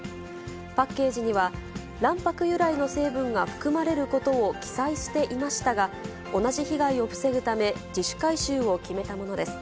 パッケージには、卵白由来の成分が含まれることを記載していましたが、同じ被害を防ぐため、自主回収を決めたものです。